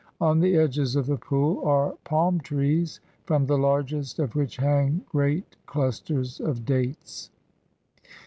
On the edges of the pool are palm trees, from the largest of which hang great clusters of dates.